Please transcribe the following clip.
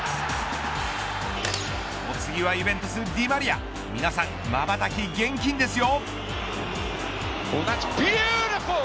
お次はユヴェントス、ディマリア皆さん、まばたき厳禁ですよ。